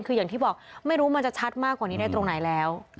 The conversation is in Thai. คืออย่างที่บอกไม่รู้มันจะชัดมากกว่านี้ได้ตรงไหนแล้ว